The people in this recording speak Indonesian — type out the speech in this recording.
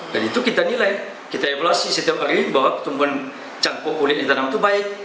dan itu kita nilai kita evaluasi setiap hari bahwa ketumbuhan cangkuk kulit yang ditanam itu baik